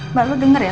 mbak lo denger ya